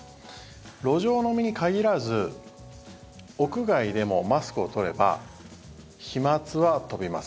路上飲みに限らず屋外でもマスクを取れば飛まつは飛びます。